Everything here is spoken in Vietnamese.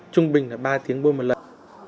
trung bình là ba tiếng bôi một lần